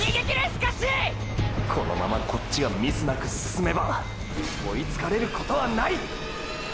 このままこっちがミスなく進めば追いつかれることはない！！